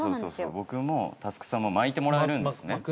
僕も佑さんも巻いてもらえるんですね